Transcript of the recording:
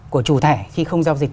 của chủ thẻ khi không giao dịch